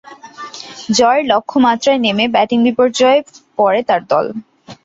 জয়ের লক্ষ্যমাত্রায় নেমে ব্যাটিং বিপর্যয়ে পড়ে তার দল।